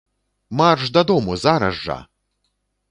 Марш дадому зараз жа!